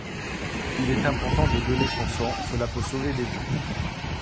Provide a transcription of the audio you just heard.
Il est important de donner son sang, cela peut sauver des vies.